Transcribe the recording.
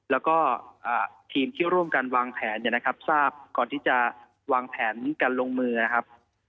แล้วก็ทีมที่ร่วมกันวางแผนเนี่ยนะครับทราบก่อนที่จะวางแผนการลงมือนะครับ